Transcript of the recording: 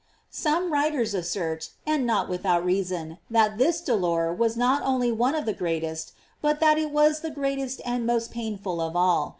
Some writers assert, and not without reason, that this dolor was not only one of the greatest, but that it was the greatest and most painful of all.